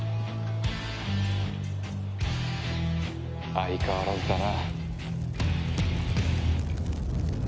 相変わらずだな。